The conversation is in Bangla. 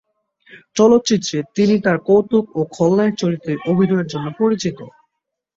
চলচ্চিত্রে তিনি তার কৌতুক ও খলনায়ক চরিত্রে অভিনয়ের জন্য পরিচিত।